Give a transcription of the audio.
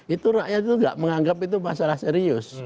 itu rakyat itu tidak menganggap itu masalah serius